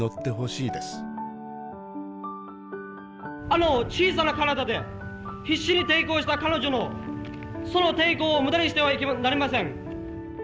あの小さな体で必死に抵抗した彼女のその抵抗を無駄にしてはなりません。